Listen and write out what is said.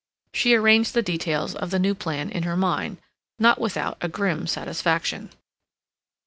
She arranged the details of the new plan in her mind, not without a grim satisfaction.